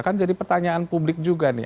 kan jadi pertanyaan publik juga nih